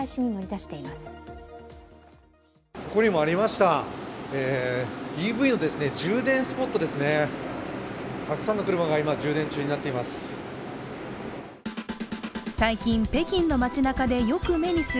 たくさんの車が今、充電中になっています。